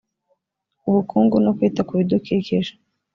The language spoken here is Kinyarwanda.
ubukungu no kwita ku bidukikije